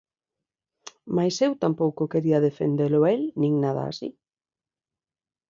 Mais eu tampouco quería defendelo a el nin nada así.